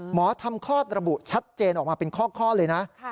หมอทำคลอดระบุชัดเจนออกมาเป็นข้อเลยนะ